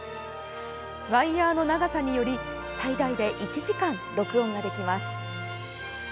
ワイヤーの長さにより最大で１時間録音ができます。